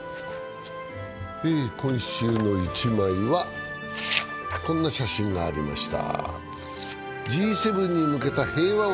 「今週の一枚」はこんな写真がありました。